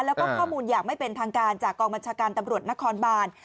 แล้วก็ข้อมูลอย่างไม่เป็นทางการจากกองบัญชาการตำรวจนครบาน